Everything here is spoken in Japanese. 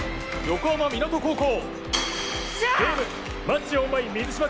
横浜湊高校。